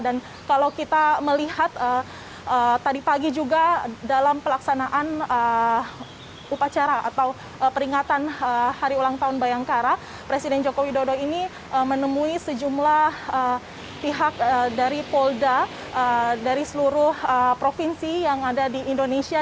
dan kalau kita melihat tadi pagi juga dalam pelaksanaan upacara atau peringatan hari ulang tahun bayangkara presiden joko widodo ini menemui sejumlah pihak dari polda dari seluruh provinsi yang ada di indonesia